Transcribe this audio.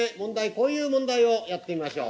こういう問題をやってみましょう。